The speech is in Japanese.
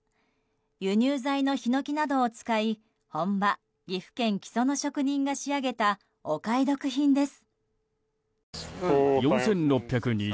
輸入材のヒノキなどを使い本場・岐阜県木曽の職人が仕上げたお買い得品です。